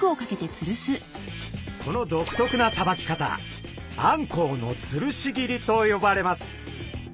この独特なさばき方あんこうのつるし切りと呼ばれます。